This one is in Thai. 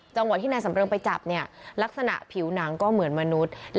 แล้วก็กลัวความผิดก็เลยเอามาทิ้งแบบนี้